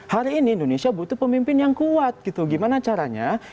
hari ini indonesia butuh pemimpin yang kuat gitu gimana caranya